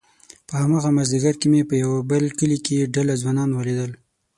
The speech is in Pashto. په هماغه مازيګر مې په يوه بل کلي کې ډله ځوانان وليدل،